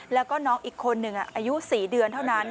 แล้วก็น้องอีกคนหนึ่งอายุ๔เดือนเท่านั้น